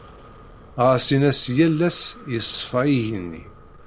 Ɣas in-as yal ass yeṣfa yigenni.